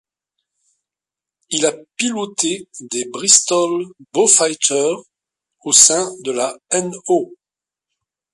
Il a piloté des Bristol Beaufighter au sein de la No.